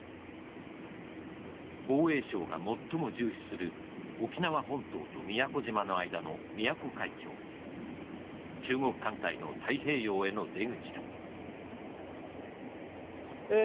防衛省が最も重視する沖縄本島と宮古島の間の中国艦隊の太平洋への出口だええ